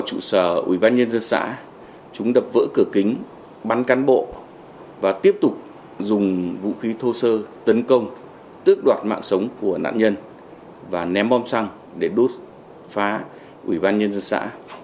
trụ sở ubnd xã chúng đập vỡ cửa kính bắn cán bộ và tiếp tục dùng vũ khí thô sơ tấn công tước đoạt mạng sống của nạn nhân và ném bom xăng để đốt phá ủy ban nhân dân xã